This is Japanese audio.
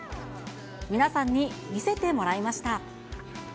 皆さんに見せてもらいました。